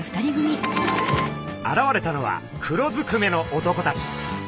現れたのは黒ずくめの男たち。